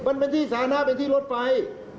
มันเป็นที่สาธารณะเป็นที่รถไฟ